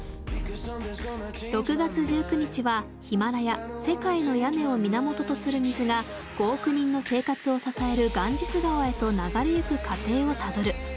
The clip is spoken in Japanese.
６月１９日はヒマラヤ世界の屋根を源とする水が５億人の生活を支えるガンジス川へと流れゆく過程をたどる。